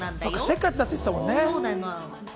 せっかちだって言ってたもんね。